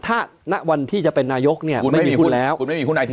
ถ้าณวันที่จะเป็นนายกเนี่ยคุณไม่มีหุ้นแล้วคุณไม่มีหุ้นไอที